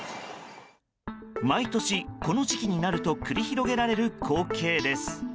毎年、この時期になると繰り広げられる光景です。